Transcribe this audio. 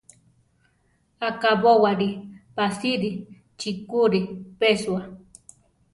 Akabówali pásiri chikúri pesúa.